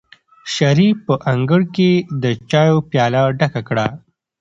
شریف په انګړ کې د چایو پیاله ډکه کړه.